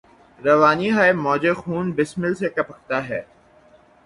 روانی ہاۓ موج خون بسمل سے ٹپکتا ہے